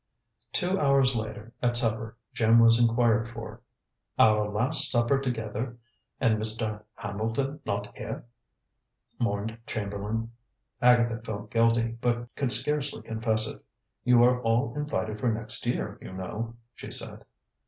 Two hours later, at supper, Jim was inquired for. "Our last supper together, and Mr. Hambleton not here!" mourned Chamberlain. Agatha felt guilty, but could scarcely confess it. "You are all invited for next year, you know," she said.